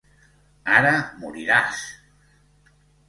Ara moriràs!